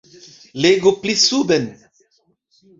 Legu pli suben.